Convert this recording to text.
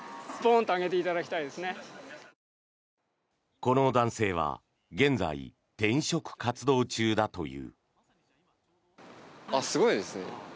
この男性は現在、転職活動中だという。